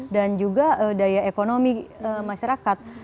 dan juga daya ekonomi masyarakat